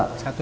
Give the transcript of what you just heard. satu dan dua